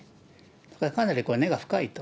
だからかなりこれは根が深いと。